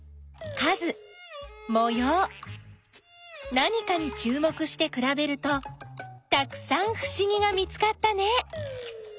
何かにちゅう目してくらべるとたくさんふしぎが見つかったね。